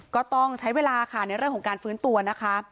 ก็ต้องใช้เวลาค่ะในเรื่องของการฟื้นตัวนะคะ